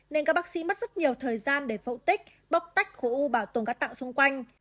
nên các bác sĩ mất rất nhiều thời gian để phẫu tích bóc tách khối u bảo tồn các tạng xung quanh